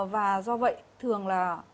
và do vậy thường là